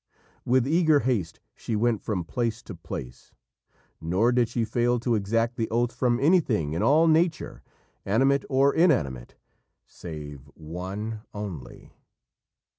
With eager haste she went from place to place, nor did she fail to exact the oath from anything in all nature, animate or inanimate, save one only.